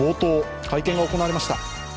会見が行われました。